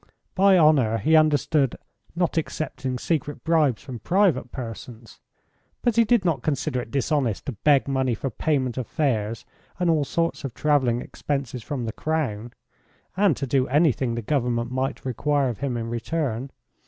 By honour he understood not accepting secret bribes from private persons. But he did not consider it dishonest to beg money for payment of fares and all sorts of travelling expenses from the Crown, and to do anything the Government might require of him in return.